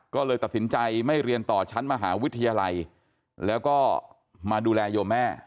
ก็เลยตัดสินใจไม่เรียนต่อชั้นมหาวิทยาลัยแล้วก็มาดูแลโยมแม่